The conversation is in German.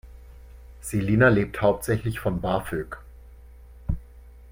Selina lebt hauptsächlich von BAföG.